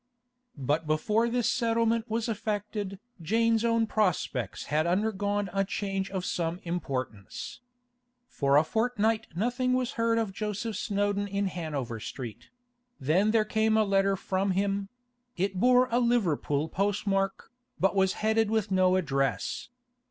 But before this settlement was effected Jane's own prospects had undergone a change of some importance. For a fortnight nothing was heard of Joseph Snowdon in Hanover Street; then there came a letter from him; it bore a Liverpool postmark, but was headed with no address.